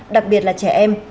đặc biệt là trẻ em